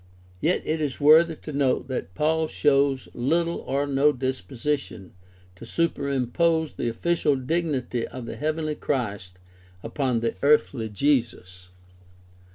Yet it is worthy of note that Paul shows Httle or no disposition to superimpose the official dignity of the heavenly Christ upon the earthly Jesus.